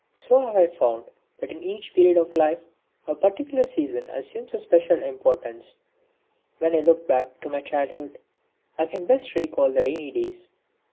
So have I found that in each period of life a particular season assumes a special importance. When I look back to my childhood I can best recall the rainy days.